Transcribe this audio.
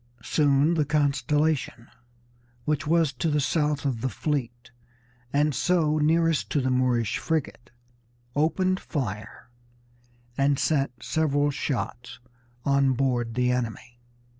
Soon the Constellation, which was to the south of the fleet and so nearest to the Moorish frigate, opened fire and sent several shots on board the enemy.